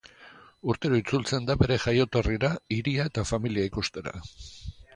Urtero itzultzen da bere jaioterrira, hiria eta familia ikustera.